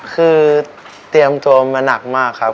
คือเตรียมตัวมาหนักมากครับ